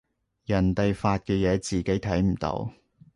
人哋發嘅嘢自己睇唔到